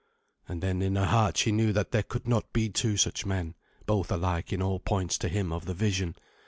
And then in her heart she knew that there could not be two such men, both alike in all points to him of the vision.